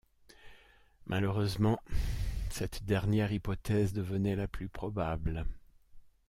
Malheureusement, cette dernière hypothèse devenait la plus probable.